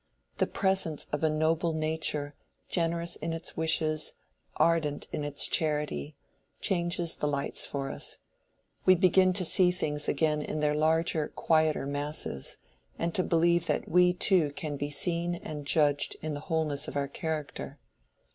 The presence of a noble nature, generous in its wishes, ardent in its charity, changes the lights for us: we begin to see things again in their larger, quieter masses, and to believe that we too can be seen and judged in the wholeness of our character.